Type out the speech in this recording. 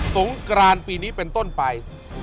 งกรานปีนี้เป็นต้นไป